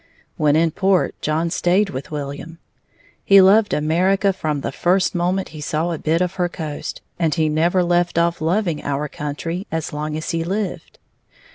When in port, John stayed with William. He loved America from the first moment he saw a bit of her coast, and he never left off loving our country as long as he lived.